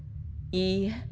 いいえ。